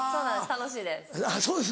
楽しいです。